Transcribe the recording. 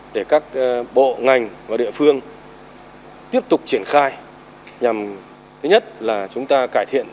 để các bộ ngành và địa phương tiếp tục triển khai nhằm thứ nhất là chúng ta cải thiện